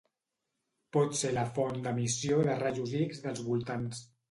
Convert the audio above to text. Pot ser la font d'emissió de rajos X dels voltants.